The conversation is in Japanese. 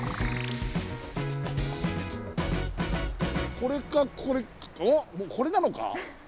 これかこれおっこれなのか？